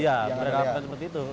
iya mereka mengharapkan seperti itu